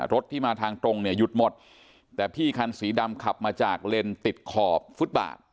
รถที่มาทางตรงเนี่ยหยุดหมดแต่พี่คันสีดำขับมาจากเลนติดขอบฟุตบาท